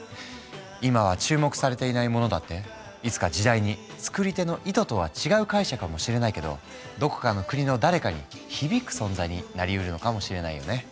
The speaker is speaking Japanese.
今は注目されていないものだっていつか時代に作り手の意図とは違う解釈かもしれないけどどこかの国の誰かに響く存在になりうるのかもしれないよね。